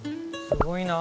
すごいな。